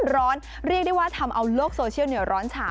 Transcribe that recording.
ร้อนเรียกได้ว่าทำเอาโลกโซเชียลเนี่ยร้อนฉา